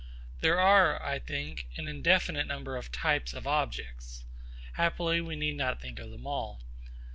There are, I think, an indefinite number of types of objects. Happily we need not think of them all.